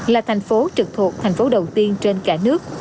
là thành phố trực thuộc thành phố đầu tiên trên cả nước